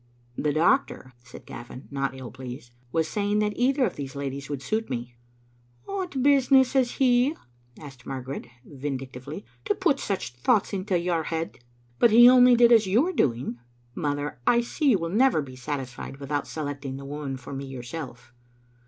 "The doctor," said Gavin, not ill pleased, "was say ing that either of these ladies would suit me." "What business has he," asked Margaret, vindic tively, " to put such thoughts into your head?" " But he only did as you are doing. Mother, I see you will never be satisfied without selecting the woman for me yourself."